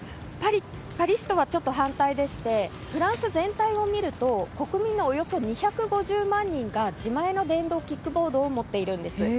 パリ市とは反対でしてフランス全体を見ると国民のおよそ２５０万人が自前の電動キックボードを持っているんです。